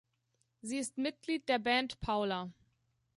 Sie ist Mitglied der Band Paula.